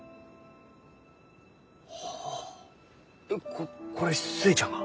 ここれ寿恵ちゃんが？